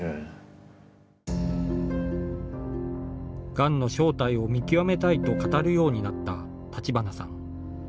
がんの正体を見極めたいと語るようになった立花さん。